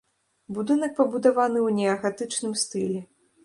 Будынак пабудаваны ў неагатычным стылі.